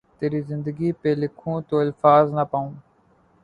تیری زندگی پھ لکھوں تو الفاظ نہ پاؤں